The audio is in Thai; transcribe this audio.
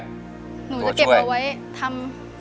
หนูจะเก็บเอาไว้ทำ